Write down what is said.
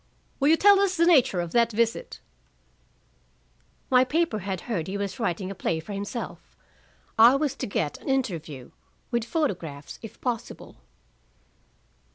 "Will you tell us the nature of that visit?" "My paper had heard he was writing a play for himself. I was to get an interview, with photographs, if possible."